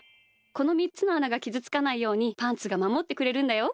この３つのあながきずつかないようにパンツがまもってくれるんだよ。